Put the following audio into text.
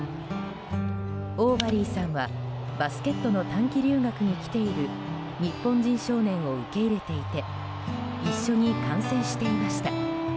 オーバリーさんはバスケットの短期留学に来ている日本人少年を受け入れていて一緒に観戦していました。